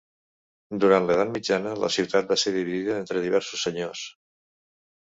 Durant l'Edat Mitjana la ciutat va ser dividida entre diversos senyors.